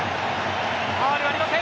ファウルはありません。